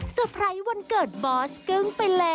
ไพรส์วันเกิดบอสกึ้งไปเลย